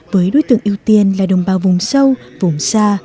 với đối tượng ưu tiên là đồng bào vùng sâu vùng xa